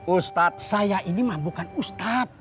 ustadz saya ini mah bukan ustadz